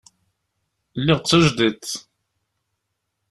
Lliɣ d tajdidt.